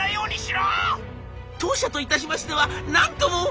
「当社といたしましては何とも」。